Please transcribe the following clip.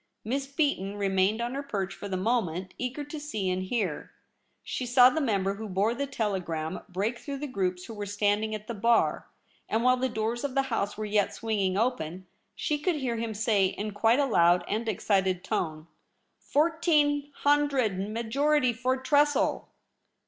Miss Beaton remained on her perch for the moment, eager to see and hear. She saw the member who bore the telegram break through the groups who were standing at the Bar, and while the doors of the House were yet swinging open, she could hear him say in quite a loud and excited tone, ' Fourteen hundred majority for Tressel !'